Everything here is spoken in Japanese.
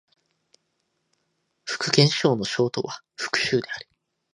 福建省の省都は福州である